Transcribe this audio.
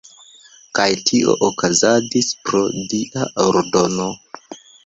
Kaj tio okazadis pro “dia ordono”.